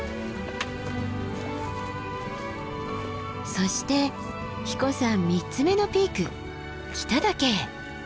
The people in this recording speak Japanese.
そして英彦山３つ目のピーク北岳へ！